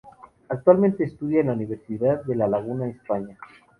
Actualmente estudia en la Universidad de La Laguna, España.